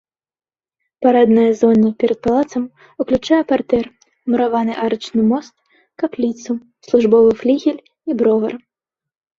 Парадная зона перад палацам уключае партэр, мураваны арачны мост, капліцу, службовы флігель і бровар.